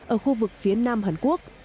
ở khu vực phía nam hàn quốc